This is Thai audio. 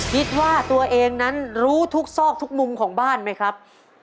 คิดว่าตัวเองนั้นรู้ทุกซอกทุกมุมของบ้านไหมครับ